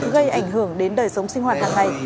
gây ảnh hưởng đến đời sống sinh hoạt hàng ngày